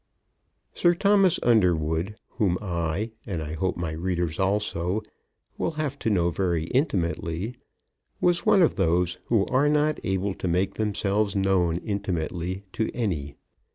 Sir Thomas Underwood, whom I, and I hope my readers also, will have to know very intimately, was one of those who are not able to make themselves known intimately to any.